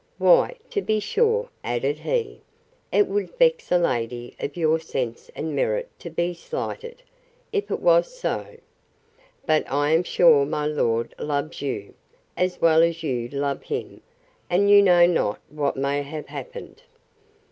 —Why, to be sure, added he, it would vex a lady of your sense and merit to be slighted, if it was so; but I am sure my lord loves you, as well as you love him; and you know not what may have happened.